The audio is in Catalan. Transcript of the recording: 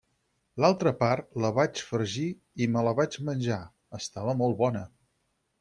L'altra part la vaig fregir i me la vaig menjar, estava molt bona.